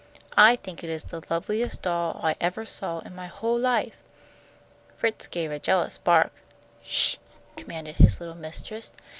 I think it is the loveliest doll I evah saw in my whole life." Fritz gave a jealous bark. "Sh!" commanded his little mistress.